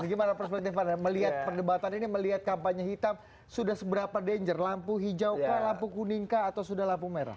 bagaimana perspektif anda melihat perdebatan ini melihat kampanye hitam sudah seberapa danger lampu hijau kah lampu kuning kah atau sudah lampu merah